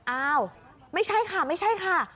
อ้าวไม่ใช่ค่ะไม่ใช่ค่ะ